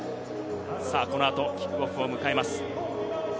この後キックオフを迎えます。